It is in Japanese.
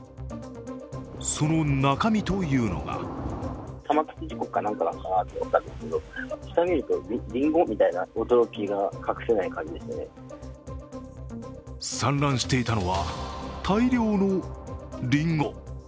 その中身というのが散乱していたのは大量のりんご。